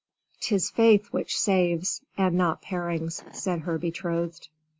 "'Tis faith which saves and not parings," said her betrothed.